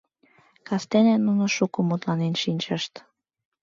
Кастене нуно шуко мутланен шинчышт...